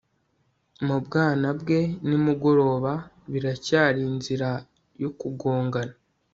mu bwanwa bwe nimugoroba. biracyari inzira yo kugongana